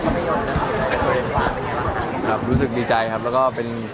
เข้าไปก็ข่ายเหย่วนะเท่านี้ถึงสระพบภาพมันละครับ